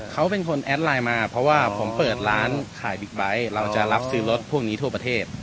เขาเป็นคนแอดไลน์มาเพราะว่าผมเปิดร้านขายบิ๊กไบท์เราจะรับซื้อรถพวกนี้ทั่วประเทศ